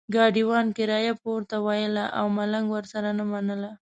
ګاډیوان کرایه پورته ویله او ملنګ ورسره نه منله.